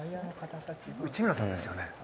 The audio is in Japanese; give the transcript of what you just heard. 内村さんですよね。